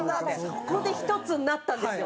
そこで一つになったんですよ。